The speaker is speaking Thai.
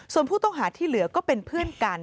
ส่วนผู้ต้องหาที่เหลือก็เป็นเพื่อนกัน